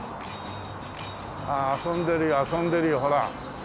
ああ遊んでるよ遊んでるよほら。